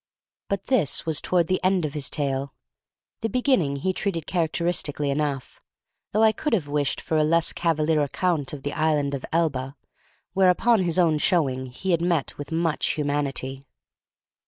But this was toward the end of his tale; the beginning he treated characteristically enough, though I could have wished for a less cavalier account of the island of Elba, where, upon his own showing, he had met with much humanity.